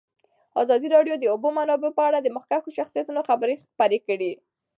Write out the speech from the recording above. ازادي راډیو د د اوبو منابع په اړه د مخکښو شخصیتونو خبرې خپرې کړي.